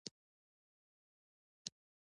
د افغانستان په جغرافیه کې مورغاب سیند ستر اهمیت لري.